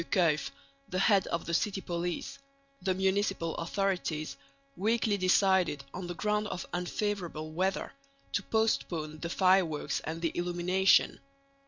Kuyff, the head of the city police, the municipal authorities weakly decided on the ground of unfavourable weather to postpone the fireworks and the illumination.